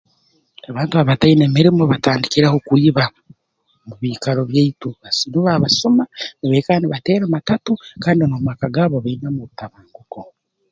Abantu abataine mirimo batandikiraho kwiba mu biikaro byaitu nubo abasuma nibaikara nibateera matatu kandi n'omu maka gaabo bainemu obutabanguko